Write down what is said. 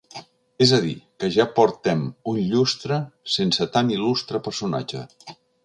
És a dir, que ja portem un lustre sense tan il·lustre personatge.